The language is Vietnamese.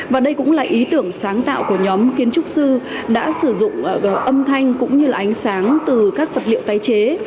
và đây cũng là ý tưởng sáng tạo của nhóm kiến trúc sư đã sử dụng âm thanh cũng như ánh sáng từ các vật liệu tái chế